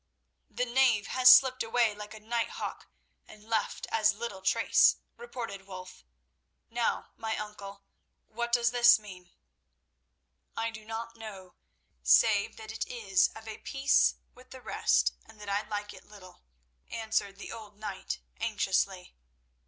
"The knave has slipped away like a night hawk, and left as little trace," reported Wulf. "Now, my uncle, what does this mean?" "I do not know, save that it is of a piece with the rest, and that I like it little," answered the old knight anxiously.